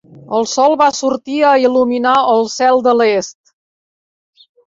El sol va sortir a il·luminar el cel de l'est.